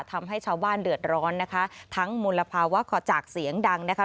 ทำให้ชาวบ้านเดือดร้อนนะคะทั้งมลภาวะขอจากเสียงดังนะคะ